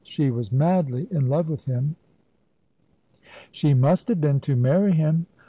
She was madly in love with him." "She must have been, to marry him."